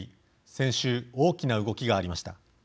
先週、大きな動きがありました。